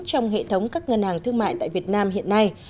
trong hệ thống các ngân hàng thương mại tại việt nam hiện nay